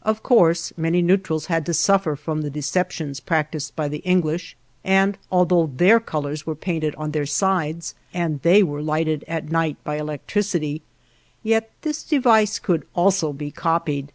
Of course many neutrals had to suffer from the deceptions practiced by the English, and although their colors were painted on their sides and they were lighted at night by electricity, yet this device could also be copied.